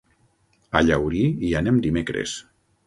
A Llaurí hi anem dimecres.